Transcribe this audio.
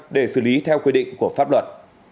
để xử lý theo quy định của pháp luật